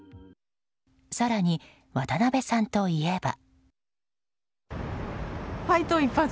更に、渡辺さんといえば。